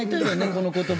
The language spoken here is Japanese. この言葉。